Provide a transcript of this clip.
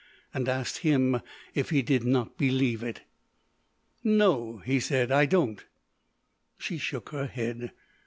And asked him if he did not believe it. "No," he said, "I don't." She shook her head.